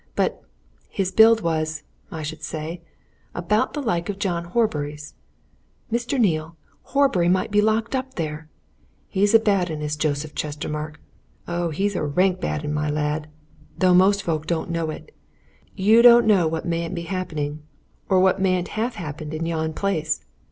"But his build was, I should say, about the like of John Horbury's. Mr. Neale Horbury might be locked up there! He's a bad 'un, is Joe Chestermarke oh, he's a rank bad 'un, my lad! though most folk don't know it. You don't know what mayn't be happening, or what mayn't have happened in yon place!